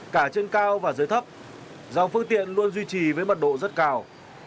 cả trên cao và dưới thấp dòng phương tiện luôn duy trì với mật độ rất cao